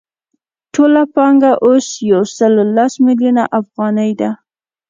ټوله پانګه اوس یو سل لس میلیونه افغانۍ ده